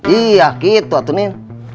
iya gitu atu nien